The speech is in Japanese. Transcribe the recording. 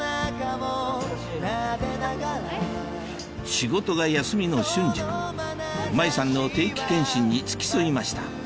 仕事が休みの隼司君麻衣さんの定期検診に付き添いました